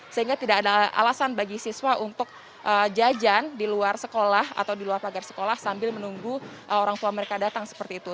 sehingga tidak ada alasan bagi siswa untuk jajan di luar sekolah atau di luar pagar sekolah sambil menunggu orang tua mereka datang seperti itu